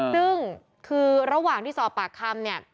ซึ่งคือระหว่างที่สอบปากคำเนี่ย